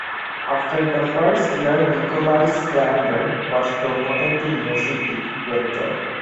After the first year, Nicole Sandler was promoted to Music Director.